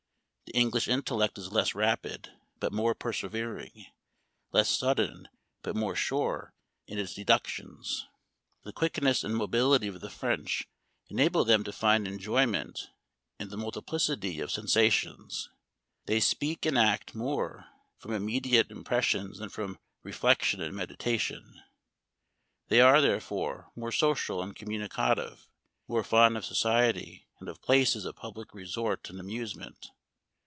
The English in tellect is less rapid, but more persevering ; less sudden, but more sure in its deductions. The Memoir of Washington Irving. 261 quickness and mobility of the French enable them to find enjoyment in the multiplicity of sensations. They speak and act more from immediate impressions than from reflection and meditation. They are, therefore, more social and communicative ; more fond of society, and of places of public resort and amusement.